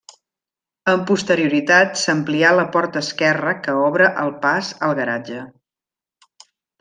Amb posterioritat s'amplià la porta esquerra que obre el pas al garatge.